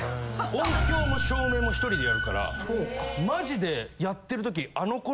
音響も照明も１人でやるからマジでやってるとき。